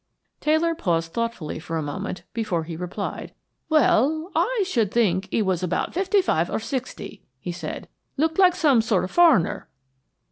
Taylor paused thoughtfully for a moment before he replied. "Well, I should think he was about fifty five or sixty," he said. "Looked like some sort of a foreigner."